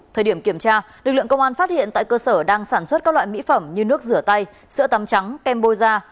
thời điểm kiểm tra lực lượng công an phát hiện tại cơ sở đang sản xuất các loại mỹ phẩm như nước rửa tay sữa tắm trắng kembo da